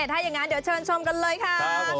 ถ้าอย่างนั้นเดี๋ยวเชิญชมกันเลยค่ะ